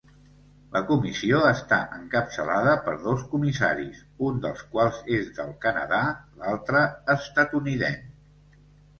La Comissió està encapçalada per dos comissaris, un dels quals és del Canadà, l'altre estatunidenc.